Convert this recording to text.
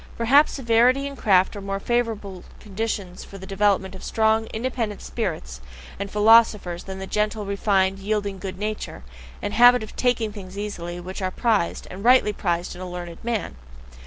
Perhaps severity and craft are more favourable conditions for the development of strong, independent spirits and philosophers than the gentle, refined, yielding good nature, and habit of taking things easily, which are prized, and rightly prized in a learned man.